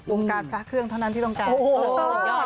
การพระเครื่องเท่านั้นที่ต้องการ